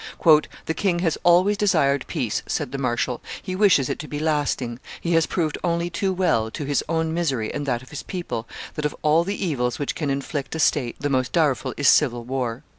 "The king has always desired peace," said the marshal; "he wishes it to be lasting; he has proved only too well, to his own misery and that of his people, that of all the evils which can afflict a state, the most direful is civil war.